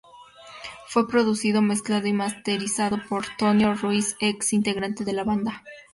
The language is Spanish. Fue producido, mezclado y masterizado por Tonio Ruiz ex integrante de la banda.